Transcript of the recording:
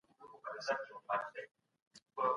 تعصب ټولنه له منځه وړي.